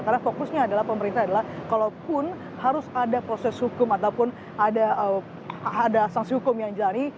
karena fokusnya adalah pemerintah adalah kalaupun harus ada proses hukum ataupun ada sanksi hukum yang dilalui